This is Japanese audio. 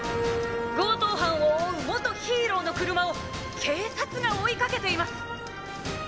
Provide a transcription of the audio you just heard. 強盗犯を追う元ヒーローの車を警察が追いかけています！」